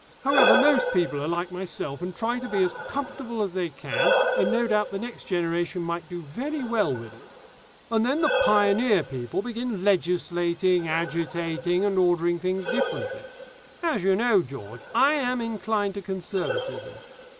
However, most people are like myself, and try to be as comfortable as they can, and no doubt the next generation might do very well with it. And then the pioneer people begin legislating, agitating, and ordering things differently. As you know, George, I am inclined to conservatism.